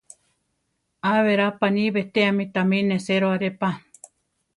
Á berá paní betéame tami nesero aré pa.